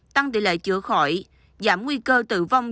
tăng tỷ lệ chữa khỏi giảm nguy cơ tử vong